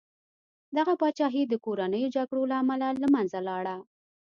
دغه پاچاهي د کورنیو جګړو له امله له منځه لاړه.